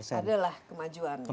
ya adalah kemajuan